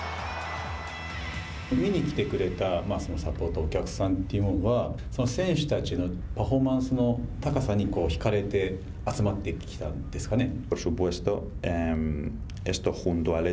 見に来てくれたサポーターお客さんというのは選手たちのパフォーマンスの高さにひかれて集まってきたんですかね。